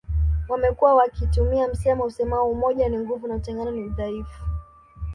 Wamekuwa wakitumia msemo usemao umoja ni nguvu na utengano ni udhaifu